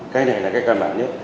cái này là cái căn bản nhất